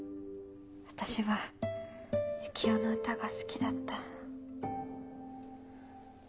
私は雪世の歌が好きだった。